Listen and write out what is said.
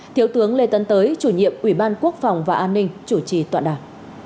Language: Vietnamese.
thiếu tướng lê tấn tới chủ nhiệm ủy ban quốc phòng và an ninh chủ trì tọa đảng